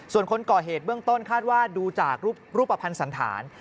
ส่วนคนก่อเหตุเบื้องต้นคาดว่าดูจากรูปภัณฑ์สันธาร